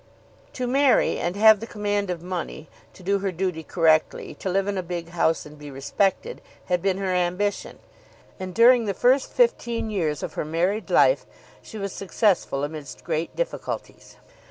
To marry and have the command of money, to do her duty correctly, to live in a big house and be respected, had been her ambition, and during the first fifteen years of her married life she was successful amidst great difficulties.